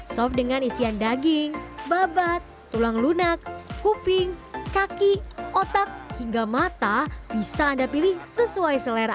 sop dengan isian daging babat tulang lunak kuping kaki otak hingga mata bisa anda pilih sesuai selera